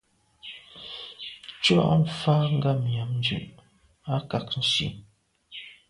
Ntshùa mfà ngabnyàm ndù a kag nsi,